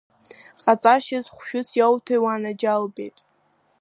Ҟаҵашьас, хәшәыс иоуҭеи, уанаџьалбеит?!